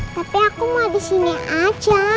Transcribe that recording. tapi aku mah di sini aja